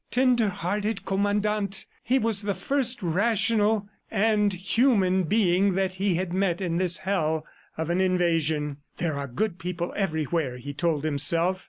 Tender hearted Commandant! ... He was the first rational and human being that he had met in this hell of an invasion. "There are good people everywhere," he told himself.